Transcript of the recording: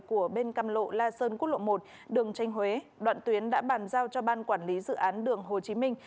của bên cam lộ la sơn quốc lộ một đường tranh huế đoạn tuyến đã bàn giao cho ban quản lý dự án đường hồ chí minh